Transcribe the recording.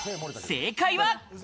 正解は。